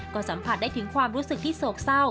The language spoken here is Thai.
ก็สัมผัสได้ถึงความรู้สึกที่โศกเศร้า